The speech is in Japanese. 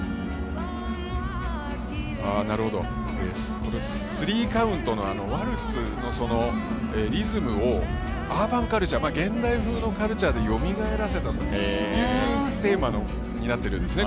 ここで３カウントのワルツのリズムをアーバンカルチャー現代風のカルチャーでよみがえらせたというテーマになっているんですね